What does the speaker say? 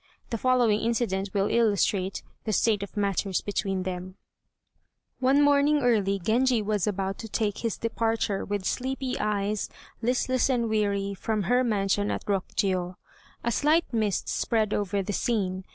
The following incident will illustrate the state of matters between them: One morning early Genji was about to take his departure, with sleepy eyes, listless and weary, from her mansion at Rokjiô. A slight mist spread over the scene.